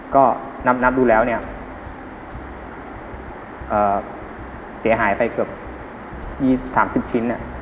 ก็นับนับดูแล้วเนี่ยเอ่อเสียหายไปเกือบสามสิบชิ้นอ่ะ